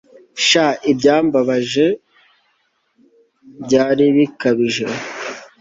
sha ibyambaje byari bikabije